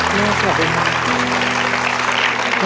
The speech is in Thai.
น้อสวสัยมาก